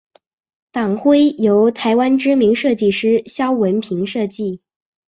党徽由台湾知名设计师萧文平设计。